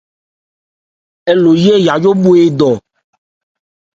Alɔ eyé yayó bhwe étɔ.